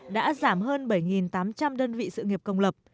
đã giảm hơn bảy tám trăm linh đơn vị sự nghiệp công lập